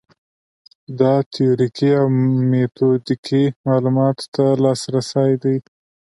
دا تیوریکي او میتودیکي معلوماتو ته لاسرسی دی.